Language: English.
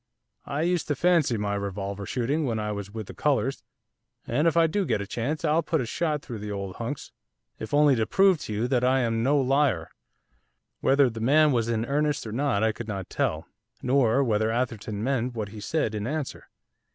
'I used to fancy my revolver shooting when I was with the colours, and if I do get a chance I'll put a shot through the old hunks, if only to prove to you that I'm no liar.' Whether the man was in earnest or not I could not tell, nor whether Atherton meant what he said in answer.